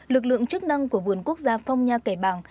lực lượng chức năng của vườn quốc gia phong nha kẻ bàng